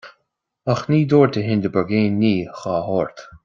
Ach ní dúirt de Hindeberg aon ní dá short.